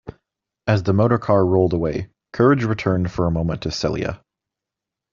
As the motorcar rolled away, courage returned for a moment to Celia.